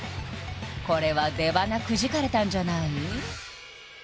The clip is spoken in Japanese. これは出ばなくじかれたんじゃない？